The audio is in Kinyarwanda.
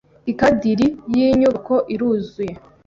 Ikadiri yinyubako iruzuye.